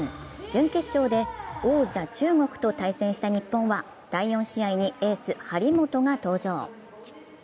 準決勝で王者・中国と対戦した日本は第４試合にエース・張本が登場。